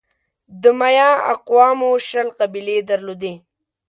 د مایا اقوامو شل قبیلې درلودې.